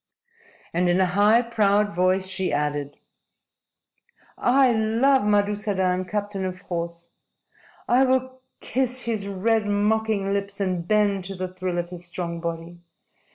And in a high, proud voice she added: "I love Madusadan, captain of horse. I will kiss his red, mocking lips and bend to the thrill of his strong body.